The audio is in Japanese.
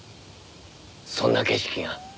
そんな景色が。